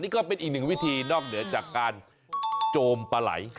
ก็เป็นอีกหนึ่งวิธีนอกเหนือจากการโจมปลาไหล